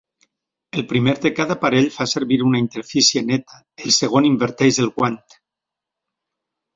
El primer de cada parell fa servir una interfície neta, el segon inverteix el guant.